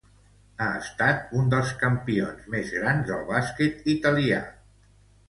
Ha estat un dels campions més grans del bàsquet italià.